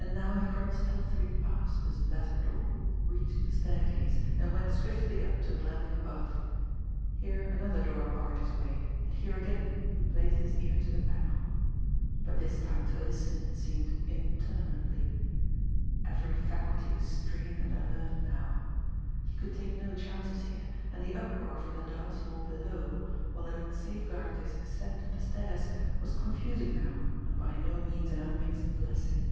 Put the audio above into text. And now he crept stealthily past this latter door, reached the staircase, and went swiftly up to the landing above. Here another door barred his way, and here again he placed his ear to the panel but this time to listen, it seemed, interminably. Every faculty was strained and alert now. He could take no chances here, and the uproar from the dance hall below, while it had safeguarded his ascent of the stairs, was confusing now and by no means an unmixed blessing.